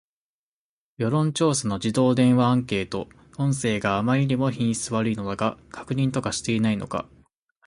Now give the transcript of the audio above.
世論調査の自動電話アンケート音声があまりにも品質悪いのだが、確認とかしていないのか